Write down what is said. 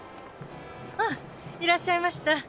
あっいらっしゃいました。